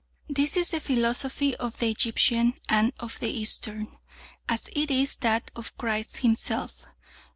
This is the philosophy of the Egyptian and of the Eastern, as it is that of Christ Himself.